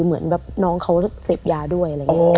เหมือนแบบน้องเขาเสพยาด้วย